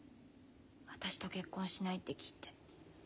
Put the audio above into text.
私と結婚しないって聞いて。